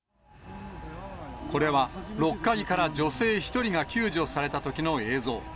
これは、６階から女性１人が救助されたときの映像。